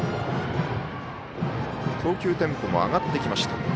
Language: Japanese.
投球テンポも上がってきました。